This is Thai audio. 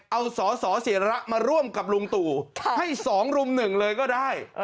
เอาสสิระมาร่วมกับลุงตู่ให้๒รุ่มหนึ่งเลยก็ได้